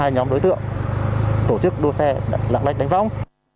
hai nhóm đối tượng tổ chức đua xe lạng lách đánh võng